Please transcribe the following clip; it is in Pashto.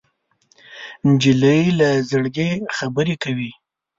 نجلۍ له زړګي خبرې کوي.